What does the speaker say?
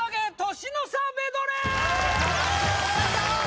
年の差メドレー